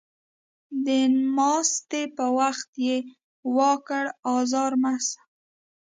د نماستي په وخت يې وا کړه ازار مه شه